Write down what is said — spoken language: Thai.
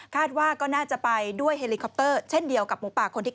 ว่าก็น่าจะไปด้วยเฮลิคอปเตอร์เช่นเดียวกับหมูป่าคนที่